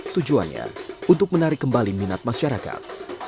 tujuannya untuk menarik kembali minat masyarakat